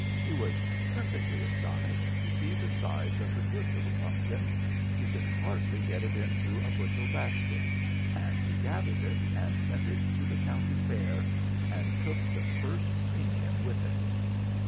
He was perfectly astonished to see the size of the good little pumpkin; you could hardly get it into a bushel basket, and he gathered it, and sent it to the county fair, and took the first premium with it."